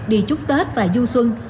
đi chúc tết và du xuân